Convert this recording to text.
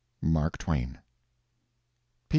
MARK TWAIN. _P.